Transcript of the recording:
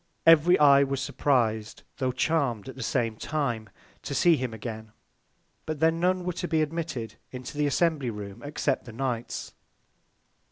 Every Eye was surpriz'd, tho' charm'd at the same Time to see him again: But then none were to be admitted into the Assembly Room except the Knights.